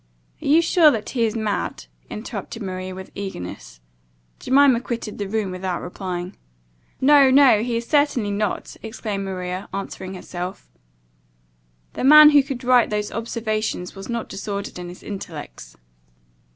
"Are you sure that he is mad?" interrupted Maria with eagerness. Jemima quitted the room, without replying. "No, no, he certainly is not!" exclaimed Maria, answering herself; "the man who could write those observations was not disordered in his intellects."